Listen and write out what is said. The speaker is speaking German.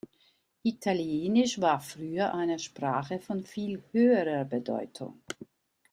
Italienisch war früher eine Sprache von viel höherer Bedeutung.